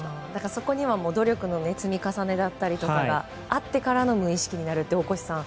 そこには努力の積み重ねだったりとかがあっての無意識になると、大越さん。